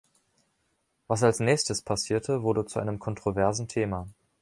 Was als nächstes passierte, wurde zu einem kontroversen Thema.